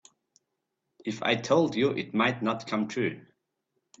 If I told you it might not come true.